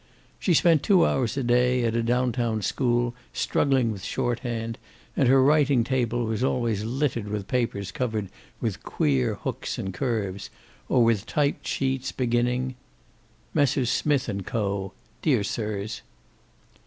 She spent two hours a day, at a down town school, struggling with shorthand, and her writing table was always littered with papers covered with queer hooks and curves, or with typed sheets beginning: "Messrs Smith and Co.,: Dear Sirs."